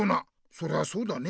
そりゃそうだね。